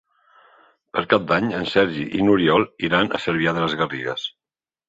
Per Cap d'Any en Sergi i n'Oriol iran a Cervià de les Garrigues.